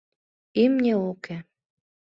Имне уке.